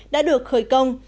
đã được khởi công